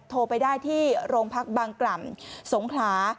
โทรไปได้ที่โรงพักบางกล่ำสงขลา